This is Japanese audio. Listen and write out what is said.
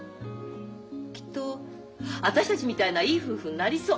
きっと私たちみたいないい夫婦になりそう。